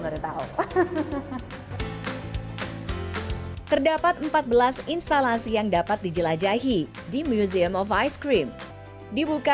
beritahu terdapat empat belas instalasi yang dapat dijelajahi di museum of ice cream dibuka